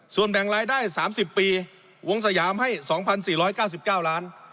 ส่วนแบ่งรายได้๓๐ปีวงสยามให้๒๔๙๙ล้าน